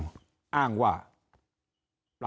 สวัสดีครับท่านผู้ชมครับสวัสดีครับท่านผู้ชมครับ